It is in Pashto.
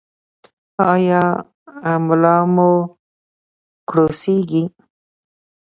ایا ملا مو کړوسیږي؟